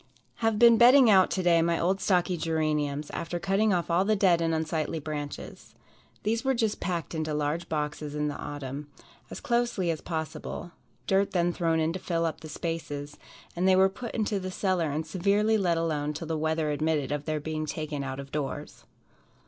Have been bedding out to day my old stocky geraniums, after cutting off all the dead and unsightly branches. These were just packed into large boxes in the autumn as closely as possible dirt then thrown in to fill up the spaces, and they were put into the cellar and severely let alone till the weather admitted of their being taken out of doors.